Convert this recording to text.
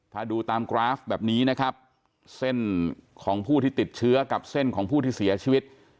ถ้าดูตามกราฟแบบนี้นะครับเส้นของผู้ที่ติดเชื้อกับเส้นของผู้ที่เสียชีวิต